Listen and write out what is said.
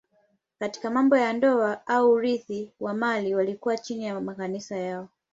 Katika mambo ya ndoa au urithi wa mali walikuwa chini ya makanisa yao.